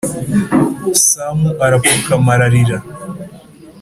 sam arapfukama ararira.